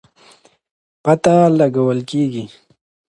پته لګول کېږي.